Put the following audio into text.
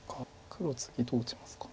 黒は次どう打ちますか。